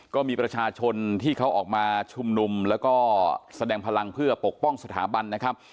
ก็มีประชาชนที่เขาออกมาชุมนุมแล้วก็แสดงพลังเพื่อปกป้องสถาบันนะครับ